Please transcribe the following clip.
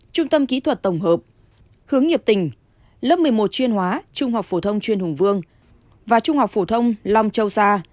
trung tâm kỹ thuật tổng hợp hướng nghiệp tỉnh lớp một mươi một chuyên hóa trung học phổ thông chuyên hùng vương và trung học phổ thông long châu sa